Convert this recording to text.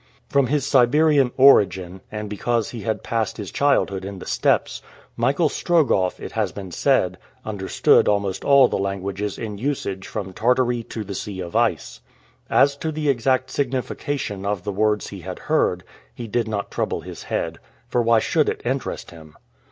From his Siberian origin, and because he had passed his childhood in the Steppes, Michael Strogoff, it has been said, understood almost all the languages in usage from Tartary to the Sea of Ice. As to the exact signification of the words he had heard, he did not trouble his head. For why should it interest him?